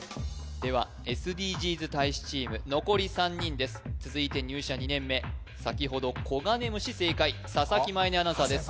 ではＳＤＧｓ大使チーム残り３人です続いて入社２年目先ほどコガネムシ正解佐々木舞音アナウンサーです